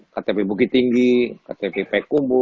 ktp bukit tinggi ktp pekumbu